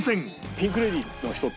ピンク・レディーの人って。